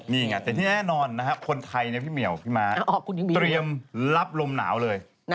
นี่ไงแต่ที่แน่นอนนะครับคนไทยนะพี่เหี่ยวพี่ม้าเตรียมรับลมหนาวเลย